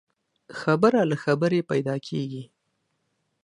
خبره له خبري پيدا کېږي.